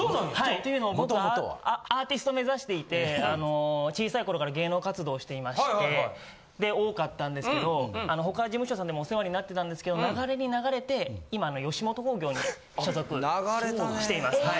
というのもアーティスト目指していて、小さいころから芸能活動していまして、多かったんですけど、ほかの事務所さんでもお世話になってたんですけど、流れに流れて、今の吉本興業に所属しています。